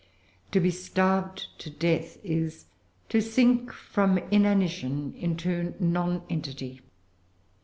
To be starved to death is "to sink from inanition into nonentity."